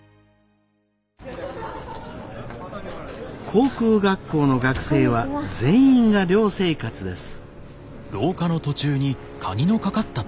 航空学校の学生は全員が寮生活です。